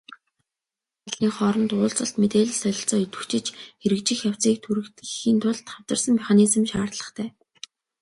Гурван талын хооронд уулзалт, мэдээлэл солилцоо идэвхжиж, хэрэгжих явцыг түргэтгэхийн тулд хамтарсан механизм шаардлагатай.